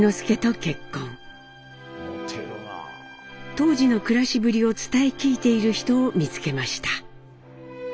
当時の暮らしぶりを伝え聞いている人を見つけました。